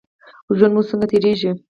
ژوند مو څنګه تیریږي؟